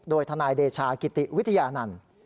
โดยทนายเดชากิติวิทยานันต์